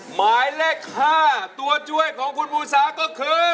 หมายเลข๕ตัวช่วยของคุณภูซาก็คือ